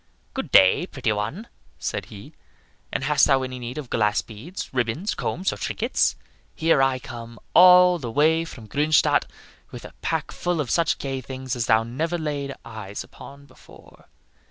"Good day, pretty one," said he, "and hast thou any need of glass beads, ribbons, combs, or trinkets? Here I am come all the way from Gruenstadt, with a pack full of such gay things as thou never laid eyes on before.